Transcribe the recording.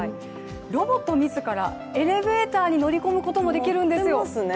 ロボット自らエレベーターに乗り込むこともできるんですよ。